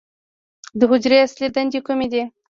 د حجرې اصلي دندې کومې دي؟